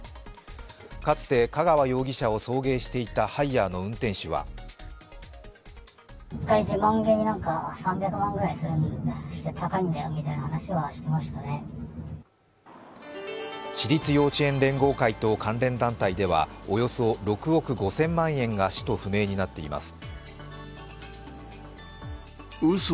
かつて香川容疑者を送迎していたハイヤーの運転手は私立幼稚園連合会と関連団体ではおよそ６億５０００万円が使途不明になっています。